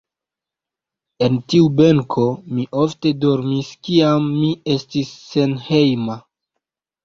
En tiu benko mi ofte dormis kiam mi estis senhejma.